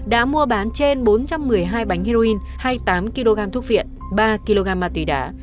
đã mua bán trên bốn trăm một mươi hai bánh heroin hai mươi tám kg thuốc viện ba kg ma túy đá